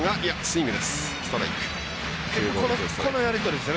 このやり取りですよね。